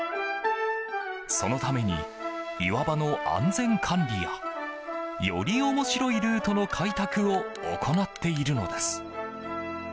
そのために岩場の安全管理やより面白いルートの開拓を行っているのです。